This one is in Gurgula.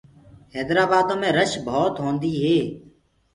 هيدرآ بآدو مي رش ڀوت هوندي هي۔